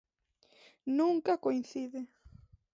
Nunca coincide.